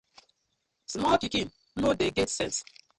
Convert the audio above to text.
Small pikin no dey get sense.